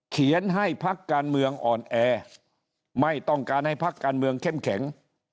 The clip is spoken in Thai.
เขียนให้ภักดิ์การเมืองอ่อนแอไม่ต้องการให้ภักดิ์การเมืองเข้มแข็ง